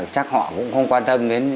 chắc họ cũng không quan tâm đến